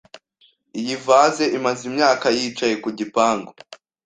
Iyi vase imaze imyaka yicaye ku gipangu.